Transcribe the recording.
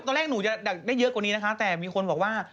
ตอนแรกหนูจะดักได้เยอะกว่านี้นะคะแต่มีคนบอกว่า